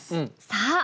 さあ